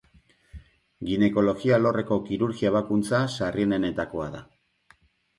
Ginekologia alorreko kirurgia ebakuntza sarrienenetakoa da.